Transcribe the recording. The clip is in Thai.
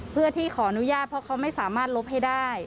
เพื่อที่ขออนุญาตเพราะเขาไม่สามารถลบให้ได้